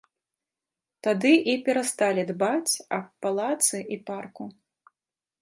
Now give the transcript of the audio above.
Тады і перасталі дбаць аб палацы і парку.